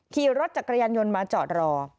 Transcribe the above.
ขี่รถจักรยานยนต์มาจอดรอ